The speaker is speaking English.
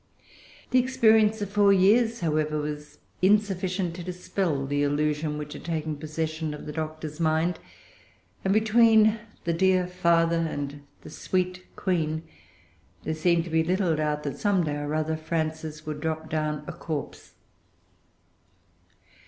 The experience of four years was, however, insufficient to dispel the illusion which had taken possession of the Doctor's mind; and, between the dear father and the sweet Queen, there seemed to be little doubt that some day or other Frances would drop down a corpse.